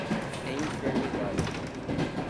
enfermidade